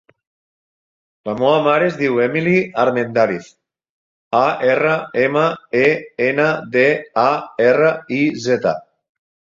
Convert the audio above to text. La meva mare es diu Emily Armendariz: a, erra, ema, e, ena, de, a, erra, i, zeta.